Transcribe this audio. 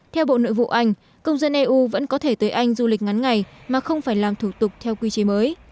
theo bộ nội vụ anh công dân eu vẫn có thể tới anh du lịch ngắn ngày mà không phải làm thủ tục theo quy chế mới